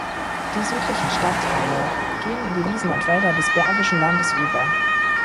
Die südlichen Stadtteile gehen in die Wiesen und Wälder des Bergischen Landes über.